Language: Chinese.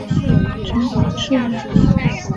陈宝炽人。